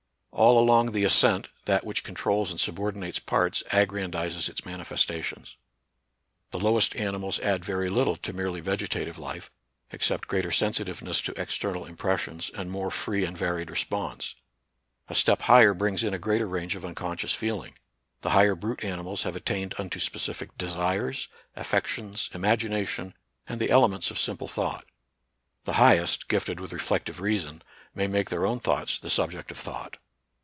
All along the ascent that which con trols and subordinates parts aggrandizes its man ifestations. The lowest animals add very little to merely vegetative life, except greater sensi tiveness to external impressions and more free and varied response ; a step higher brings in a greater range of unconscious feeling ; the higher brute animals have attained unto specific desires, affections, imagination, and the elements of simple thought ; the highest, gifted with reflect ive reason, may make their own thoughts the NATURAL SCIENCE AND RELIGION. 33 subject of thought.